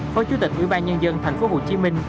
phó chủ tịch ubnd tp hcm